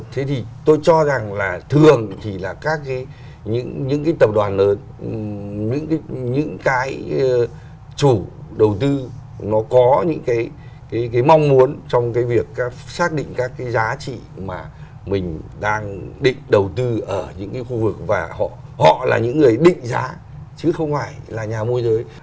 thế thì tôi cho rằng là thường thì là các cái những cái tập đoàn lớn những cái chủ đầu tư nó có những cái mong muốn trong cái việc xác định các cái giá trị mà mình đang định đầu tư ở những cái khu vực và họ là những người định giá chứ không phải là nhà môi giới